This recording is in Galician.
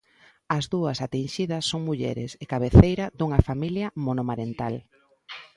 As dúas atinxidas son mulleres e cabeceira dunha familia monomarental.